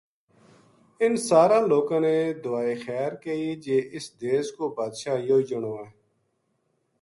انھ ساراں لوکاں نے دعائے خیر کئی جی اس دیس کو بادشاہ یوہی جنو ہے